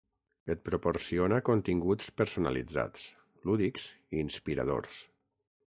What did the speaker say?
Et proporciona continguts personalitzats, lúdics i inspiradors.